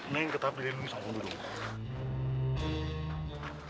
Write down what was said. neng tetap dilindungi sama om dudung